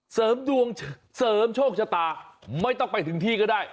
เสริมดวงเสริมโชคชะตาไม่ต้องไปถึงที่ก็ได้